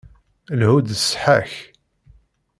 Lhu-d d ṣṣeḥḥa-k.